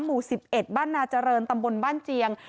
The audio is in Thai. หมู่๑๑บ้านนาเจริญตำบลบ้านเจียง